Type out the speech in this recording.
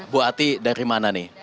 bu ati dari mana nih